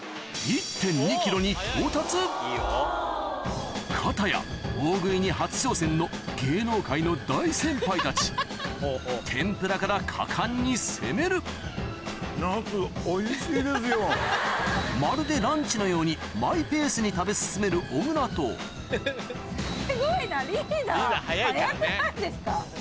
に到達片や大食いに初挑戦の芸能界の大先輩たち天ぷらから果敢に攻めるまるでランチのようにマイペースに食べ進めるすごいなリーダー早くないですか？